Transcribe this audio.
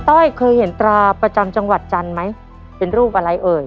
้อยเคยเห็นตราประจำจังหวัดจันทร์ไหมเป็นรูปอะไรเอ่ย